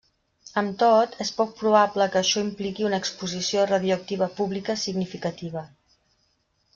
Amb tot, és poc probable que això impliqui una exposició radioactiva pública significativa.